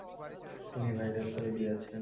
তিনি ভাইরাল করে দিয়েছেন।